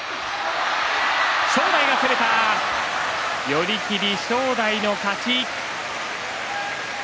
寄り切り、正代の勝ち。